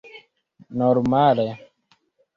normale